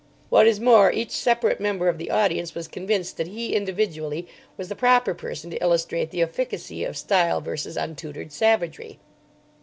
What is more, each separate member of the audience was convinced that he individually was the proper person to illustrate the efficacy of style versus untutored savagery.